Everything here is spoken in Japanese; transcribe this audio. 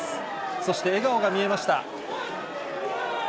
そして笑顔が見えました。